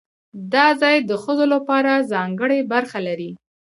دا ځای د ښځو لپاره ځانګړې برخه لري.